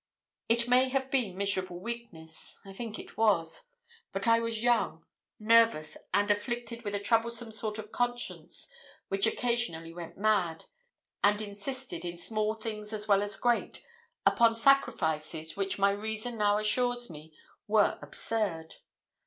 It may have been miserable weakness I think it was. But I was young, nervous, and afflicted with a troublesome sort of conscience, which occasionally went mad, and insisted, in small things as well as great, upon sacrifices which my reason now assures me were absurd.